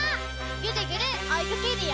ぐるぐるおいかけるよ！